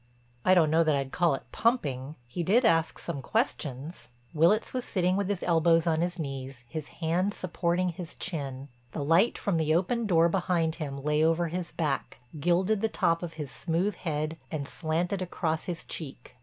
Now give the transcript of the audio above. "I don't know that I'd call it pumping—he did ask some questions." Willitts was sitting with his elbows on his knees, his hands supporting his chin. The light from the open door behind him lay over his back, gilded the top of his smooth head and slanted across his cheek.